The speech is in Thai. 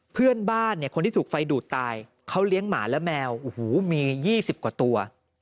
เพื่อนบ้านเนี่ยคนที่ถูกไฟดูดตายเขาเลี้ยงหมาและแมวโอ้โหมี๒๐กว่าตัว